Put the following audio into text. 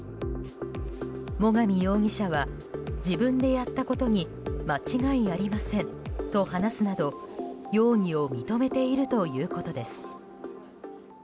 最上容疑者は自分でやったことに間違いありませんと話すなど容疑を認めているということです。